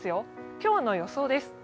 今日の予想です。